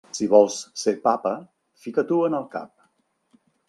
Si vols ser papa, fica-t'ho en el cap.